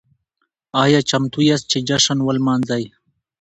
ايا چمتو ياست چې جشن ولمانځئ؟